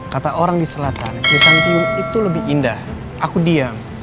kata orang di selatan di santiung itu lebih indah aku diam